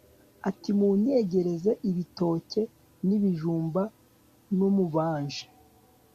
ati munyegereze ibitoke n'ibijumba n'umubanji